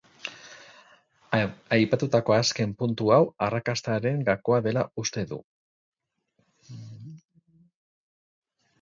Aipatutako azken puntu hau arrakastaren gakoa dela uste du.